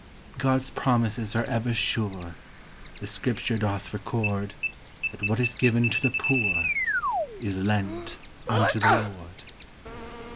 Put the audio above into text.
God's promises are ever sure, • The scripture. <doth record That what is given to the poor ! Is lent unto the Lord.